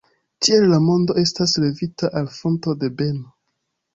Tiel la mondo estas levita al fonto de beno.